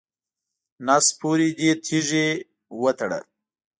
نس پورې دې تیږې وتړه.